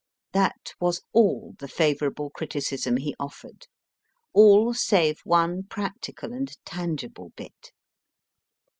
That was all the favourable criticism he offered. All save one practical and tangible bit.